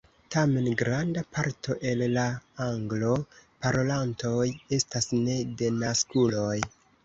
Tamen, granda parto el la Anglo-parolantoj estas ne-denaskuloj.